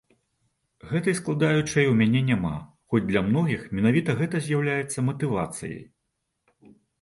Гэтай складаючай у мяне няма, хоць для многіх менавіта гэта з'яўляецца матывацыяй.